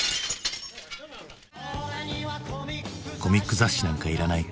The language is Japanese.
「コミック雑誌なんかいらない！」。